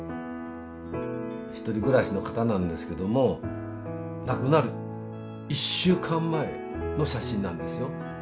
ひとり暮らしの方なんですけども亡くなる１週間前の写真なんですよ。